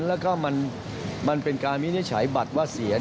แล้วก็มันเป็นการวินิจฉัยบัตรว่าเสีย